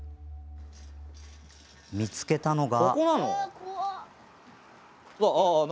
見つけたのが。